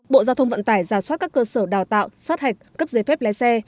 bộ giao thông vận tải giả soát các cơ sở đào tạo sát hạch cấp giấy phép lái xe